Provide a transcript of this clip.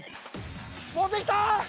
持ってきた！